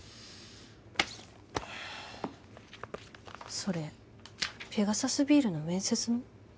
それペガサスビールの面接の？